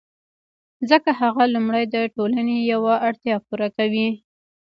ځکه هغه لومړی د ټولنې یوه اړتیا پوره کوي